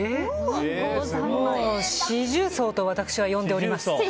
もう四重奏と私は呼んでおります。